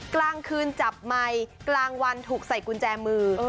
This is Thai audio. กลางคืนจับไมค์กลางวันถูกใส่กุญแจมือ